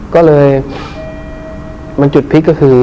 ก็เลยมันจุดพลิกก็คือ